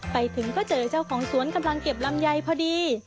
ไปถึงก็เจอเจ้าของสวนกำลังเก็บลำไยพอดี